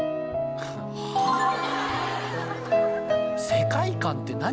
世界観って何？